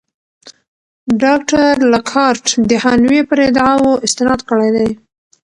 ډاکټر لاکهارټ د هانوې پر ادعاوو استناد کړی دی.